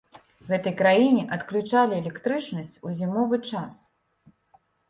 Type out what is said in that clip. Гэтай краіне адключалі электрычнасць у зімовы час.